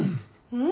うん。